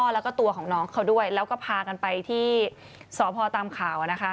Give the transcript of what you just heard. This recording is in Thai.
แล้วก็ตัวของน้องเขาด้วยแล้วก็พากันไปที่สพตามข่าวนะคะ